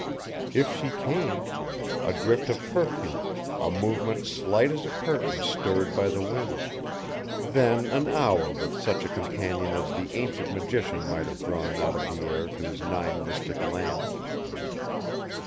If she came a drift of perfume, a movement slight as a curtain stirred by the wind, then an hour with such a companion as the ancient magician might have drawn out of the air to his nine mystic lamps.